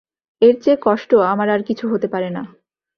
এর চেয়ে কষ্ট আমার আর কিছু হতে পারে না।